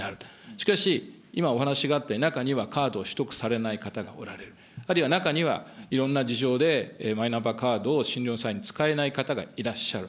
しかし、今お話があったように、中にはカードを取得されない方がおられる、あるいは中には、いろんな事情でマイナンバーカードを診療の際に使えない方がいらっしゃる。